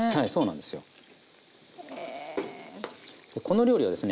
でこの料理はですね